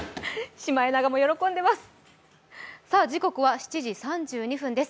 シマエナガも喜んでいます。